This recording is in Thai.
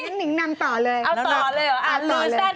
นั้นต่อเลย